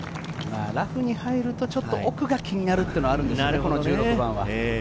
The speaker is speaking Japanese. ラフに入ると、ちょっと奥が気になるというのはあるんですよね、１６番は。